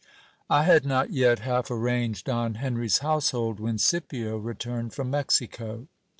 I HAD not yet half arranged Don Henry's household, when Scipio returned from Mexico.